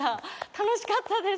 楽しかったです。